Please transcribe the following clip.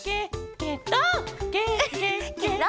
「ケケケケロ！」